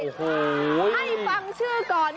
โอ้โหสุดท้ายให้ฟังชื่อก่อน